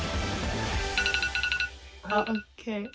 あっＯＫ。